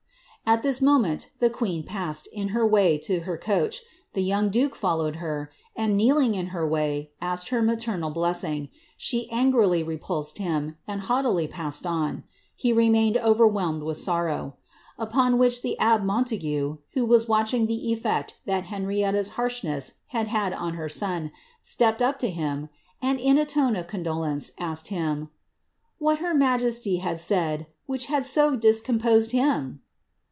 At Uiis moment the queen passed, in her way to her coach ; the young duke followed her, and kneeling in her way, •sked her maternal blessing ; she angrily repulsed him, and haughtily passed on : he remained overwhelmed with sorrow. Upon which the abbe Montague, who was watching the efTect that Henrietta's harshness had had on her son, stepped up to him, and, in a tone of condolence, asked hirn, •* What her majesty had said, which had so discomposed him